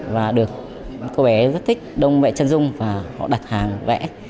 và được cô bé rất thích đông vẽ chân dung và họ đặt hàng vẽ